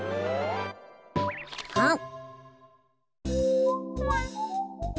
あん！